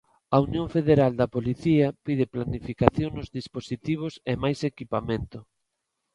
A Unión Federal da Policía pide planificación nos dispositivos e máis equipamento.